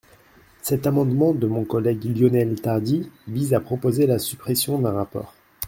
Cet amendement de mon collègue Lionel Tardy vise à proposer la suppression d’un rapport.